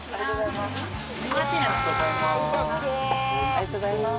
ありがとうございます。